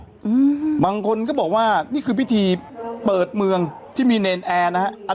อืมบางคนก็บอกว่านี่คือพิธีเปิดเมืองที่มีเนรนแอร์นะฮะ